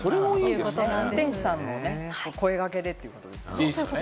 運転手さんの声掛けでということですね。